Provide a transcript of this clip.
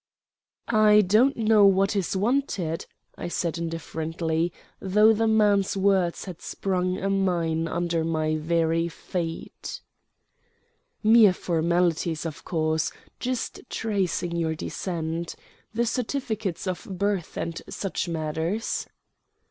"I don't know what is wanted," said I indifferently, though the man's words had sprung a mine under my very feet. "Mere formalities, of course; just tracing your descent. The certificates of birth and such matters."